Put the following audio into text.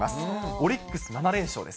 オリックス７連勝です。